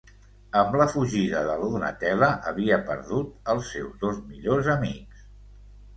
Amb la fugida de la Donatella, havia perdut els seus dos millors amics.